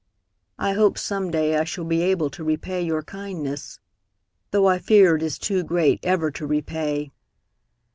I hope some day I shall be able to repay your kindness, though I fear it is too great ever to repay."